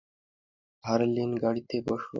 হারলিন, গাড়িতে বসো।